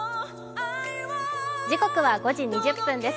時刻は５時２０分です。